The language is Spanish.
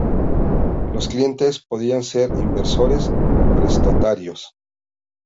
Los clientes podían ser "Inversores" o "Prestatarios".